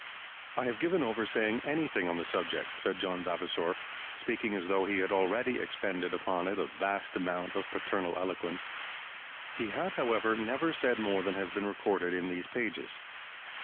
"I have given over saying anything on the subject," said John Vavasor, speaking as though he had already expended upon it a vast amount of paternal eloquence. He had, however, never said more than has been recorded in these pages.